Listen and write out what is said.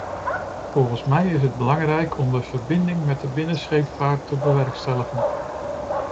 Volgens mij is het belangrijk om een verbinding met de binnenscheepvaart te bewerkstelligen.